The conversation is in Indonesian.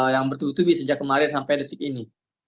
yang bertutubi sejak kemarin sampai detik ini